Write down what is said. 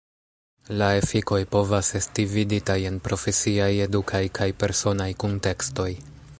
La efikoj povas esti viditaj en profesiaj, edukaj kaj personaj kuntekstoj.